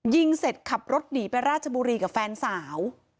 ยิงเสร็จขับรถหนีไปราชบุรีกับแฟนสาว